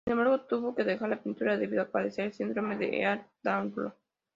Sin embargo, tuvo que dejar la pintura, debido a padecer el síndrome de Ehlers-Danlos.